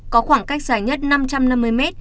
có khoảng cách dài nhất năm trăm năm mươi mét